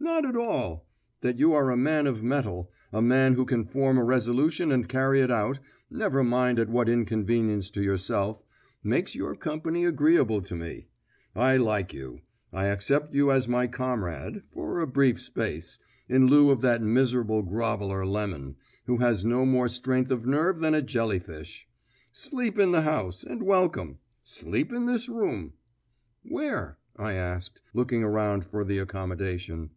"Not at all. That you are a man of mettle a man who can form a resolution and carry it out, never mind at what inconvenience to yourself makes your company agreeable to me. I like you; I accept you as my comrade, for a brief space, in lieu of that miserable groveller Lemon, who has no more strength of nerve than a jelly fish. Sleep in the house, and welcome. Sleep in this room." "Where?" I asked, looking around for the accommodation.